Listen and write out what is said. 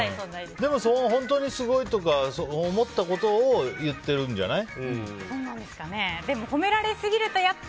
でも本当にすごいとか思ったことを言っているんじゃない。